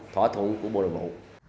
thỏa thuận của bộ đồng bộ